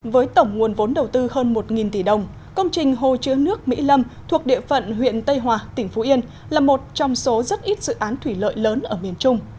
với tổng nguồn vốn đầu tư hơn một tỷ đồng công trình hồ chứa nước mỹ lâm thuộc địa phận huyện tây hòa tỉnh phú yên là một trong số rất ít dự án thủy lợi lớn ở miền trung